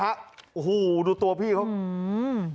โอ้โหดูตัวพี่เขาอืม